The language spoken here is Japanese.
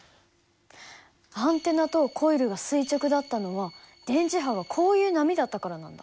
アンテナとコイルが垂直だったのは電磁波がこういう波だったからなんだ。